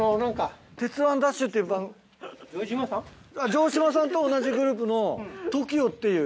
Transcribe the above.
城島さんと同じグループのＴＯＫＩＯっていう。